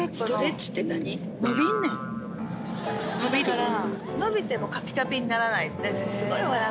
伸びる？だから。